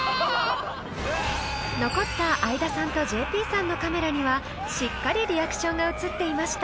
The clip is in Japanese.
［残った相田さんとＪＰさんのカメラにはしっかりリアクションが映っていました］